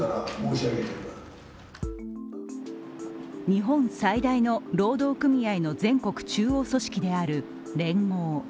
日本最大の労働組合の全国中央組織である連合。